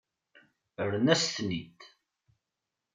Rran-as-ten-id.